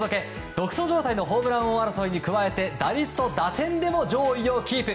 独走状態のホームラン王争いに加えて打率と打点でも上位をキープ。